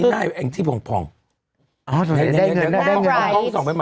แล้วต้องพร้อม